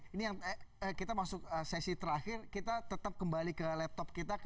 ini yang kita masuk sesi terakhir kita tetap kembali ke laptop kita